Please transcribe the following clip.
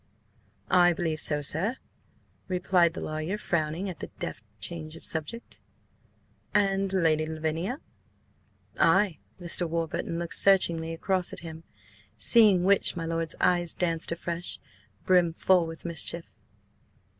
"I believe so, sir," replied the lawyer, frowning at the deft change of subject. "And Lady Lavinia?" "Ay." Mr. Warburton looked searchingly across at him, seeing which, my lord's eyes danced afresh, brim full with mischief.